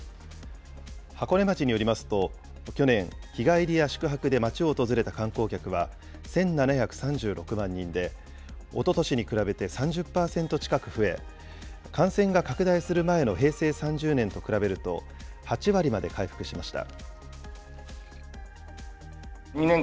箱根町によりますと、去年、日帰りや宿泊で町を訪れた観光客は、１７３６万人で、おととしに比べて３０％近く増え、感染が拡大する前の平成３０年と比べると、８割まで回復しました。